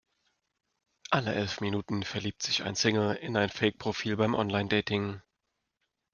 Alle elf Minuten verliebt sich ein Single in ein Fake-Profil beim Online-Dating.